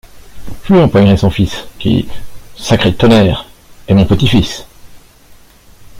Je lui empoignerai son fils, qui, sacré tonnerre, est mon petit-fils.